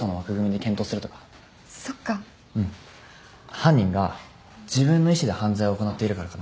犯人が自分の意思で犯罪を行っているからかな。